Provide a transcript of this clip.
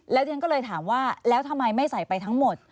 แล้วฉันก็เลยถามว่าแล้วทำไมไม่ใส่ไปทั้งหมด